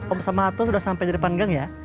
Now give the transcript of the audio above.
om samato sudah sampai di depan gang ya